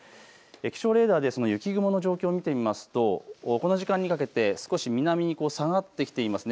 気象レーダーでその雪雲の状況を見てみますとこの時間にかけて少し南に下がってきていますね。